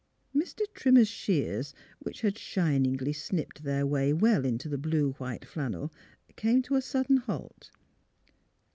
Mr. Trimmer's shears, which had shiningly snipped their way well into the blue white flan nel, came to a sudden halt.